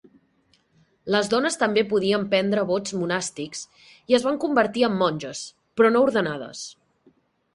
Les dones també podien prendre vots monàstics i es van convertir en monges, però no ordenades.